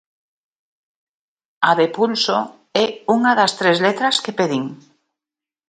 A de 'Pulso' é unha das tres letras que pedín.